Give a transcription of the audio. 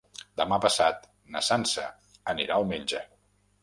Demà passat na Sança anirà al metge.